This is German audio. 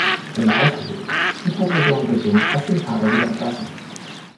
Stelle ausgewählt und vor Saisonbeginn aus dem Kader wieder entlassen.